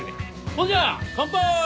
ほんじゃあ乾杯！